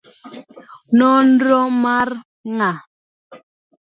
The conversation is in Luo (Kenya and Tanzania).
Nonro mar nga'?